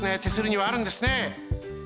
手すりにはあるんですね。